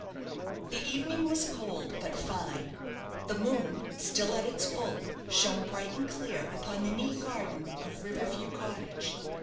The evening was cold, but fine; the moon, still at its full, shone bright and clear upon the neat garden of River View Cottage.